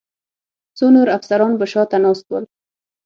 څو نور افسران به شا ته ناست ول.